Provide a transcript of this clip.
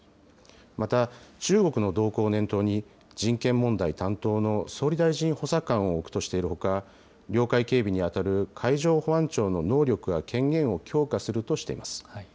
また、中国の動向を念頭に、人権問題担当の総理大臣補佐官を置くとしているほか、領海警備に当たる海上保安庁の能力や権限を強化